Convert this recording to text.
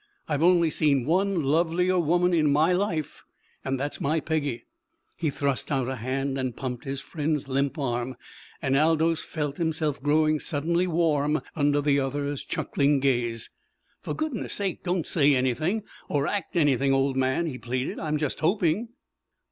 I've only seen one lovelier woman in my life, and that's Peggy." He thrust out a hand and pumped his friend's limp arm, and Aldous felt himself growing suddenly warm under the other's chuckling gaze. "For goodness sake don't say anything, or act anything, old man," he pleaded. "I'm just hoping."